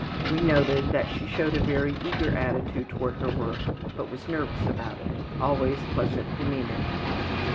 We noted that she showed a very eager attitude toward her work, but was nervous about it. Always pleasant demeanor.